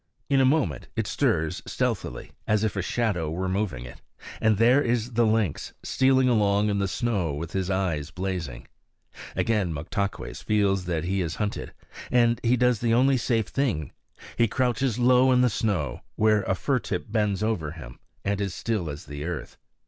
In a moment it stirs stealthily, as if a shadow were moving it; and there is the lynx, stealing along in the snow with his eyes blazing. Again Moktaques feels that he is hunted, and does the only safe thing; he crouches low in the snow, where a fir tip bends over him, and is still as the earth.